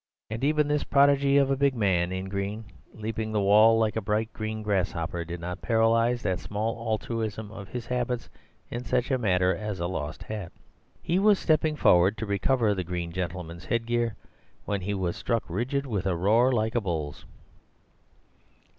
And even this prodigy of a big man in green, leaping the wall like a bright green grasshopper, did not paralyze that small altruism of his habits in such a matter as a lost hat. He was stepping forward to recover the green gentleman's head gear, when he was struck rigid with a roar like a bull's.